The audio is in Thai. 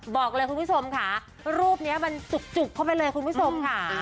บอกเลยคุณผู้ชมค่ะรูปนี้มันจุกเข้าไปเลยคุณผู้ชมค่ะ